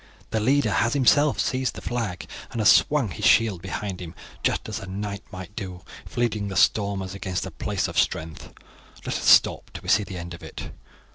Their leader has himself seized the flag and has swung his shield behind him, just as a knight might do if leading the stormers against a place of strength. Let us stop till we see the end of it."